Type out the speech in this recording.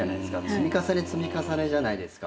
積み重ね積み重ねじゃないですか。